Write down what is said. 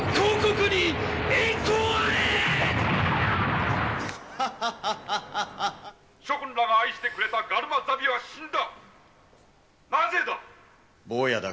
諸君らが愛してくれたガルマ・ザビは死んだ。